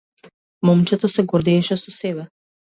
Момчето се гордееше со себе.